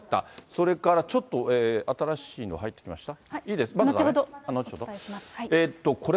それからちょっと新しいの入ってきました？